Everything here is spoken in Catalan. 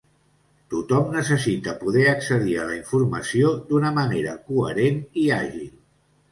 Tothom necessita poder accedir a la informació d’una manera coherent i àgil.